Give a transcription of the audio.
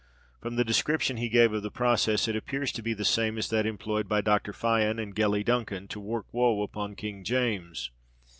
From the description he gave of the process, it appears to be the same as that employed by Dr. Fian and Gellie Duncan to work woe upon King James.